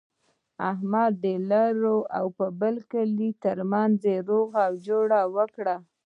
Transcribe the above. احمد د لر او بر کلي ترمنځ روغه جوړه وکړله.